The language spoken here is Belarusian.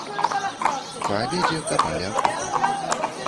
Па абедзе капалі акопы.